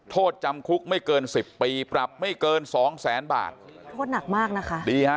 โทษจำคุกไม่เกินสิบปีปรับไม่เกินสองแสนบาทโทษหนักมากนะคะดีฮะ